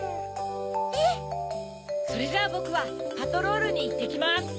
ええ。それじゃあぼくはパトロールにいってきます。